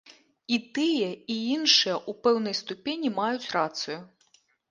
І тыя, і іншыя ў пэўнай ступені маюць рацыю.